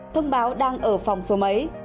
thông báo đang ở phòng số mấy